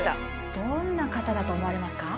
どんな方だと思われますか？